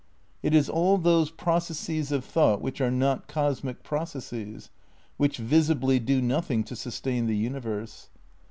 It is all those pro cesses of thought which are not cosmic processes, which visibly do nothing to sustain the universe.